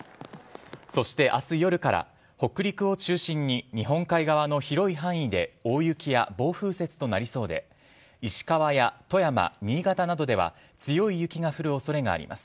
そして、明日夜から北陸を中心に日本海側の広い範囲で大雪や暴風雪となりそうで石川や富山、新潟などでは強い雪が降る恐れがあります。